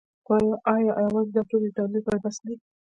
خو ایا یوازې دا توکي د تولید لپاره بس دي؟